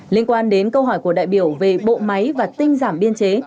liên quan đến câu hỏi của đại biểu về bộ máy và tinh giảm biên chế